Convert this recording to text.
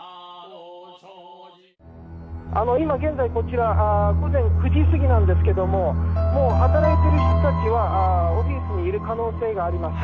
「今現在こちら午前９時過ぎなんですけどももう働いてる人たちはオフィスにいる可能性があります。